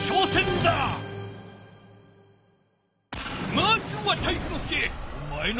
まずは体育ノ